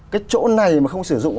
cái chỗ này mà không sử dụng